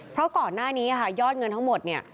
เพราะก่อนหน้านี้ค่ะยอดเงินทั้งหมดเนี่ย